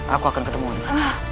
aku akan ketemu dia